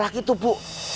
laki laki tuh bu